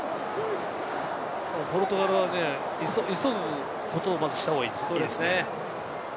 ポルトガルは急ぐことをまずした方がいいですね。